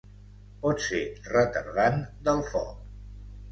Pot ser retardant del foc.